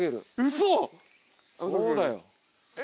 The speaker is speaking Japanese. そうだよ。え。